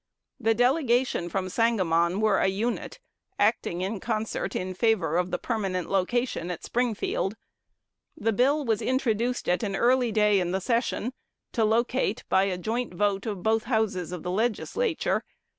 The delegation from Sangamon were a unit, acting in concert in favor of the permanent location at Springfield. The bill was introduced at an early day in the session, to locate, by a joint vote of both Houses of the Legislature.